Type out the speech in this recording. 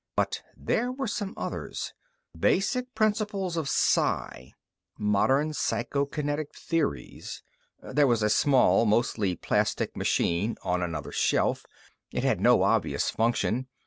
But there were some others: "Basic Principles of Psi", "Modern Psychokinetic Theories." There was a small, mostly plastic machine on another shelf. It had no obvious function.